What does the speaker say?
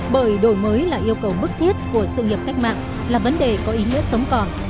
bởi đổi mới là yêu cầu bức thiết của sự nghiệp cách mạng là vấn đề có ý nghĩa sống còn